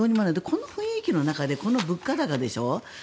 この雰囲気の中でこの物価高でしょ。